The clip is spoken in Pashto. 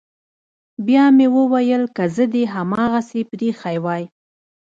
بيا مې وويل که زه دې هماغسې پريښى واى.